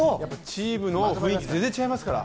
チームの雰囲気全然違いますから。